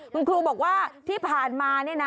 คุณครูบอกว่าที่ผ่านมาเนี่ยนะ